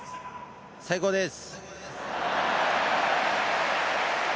最高です。